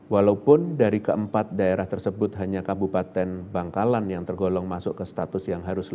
walaupun dari keempat daerah tersebut hanya kabupaten bangkalan yang tergolong masuk ke status yang harus